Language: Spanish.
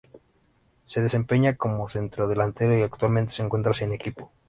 Se desempeña como centrodelantero y actualmente se encuentra sin equipo.